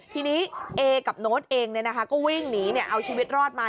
ทีนี้เอกับโน้ตเองก็วิ่งหนีเอาชีวิตรอดมา